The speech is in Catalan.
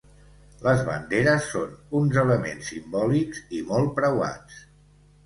Les banderes són uns elements simbòlics i molt preuats.